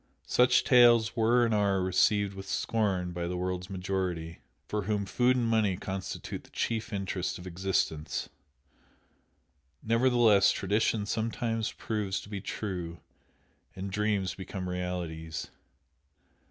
Such tales were and are received with scorn by the world's majority, for whom food and money constitute the chief interest of existence, nevertheless tradition sometimes proves to be true, and dreams become realities.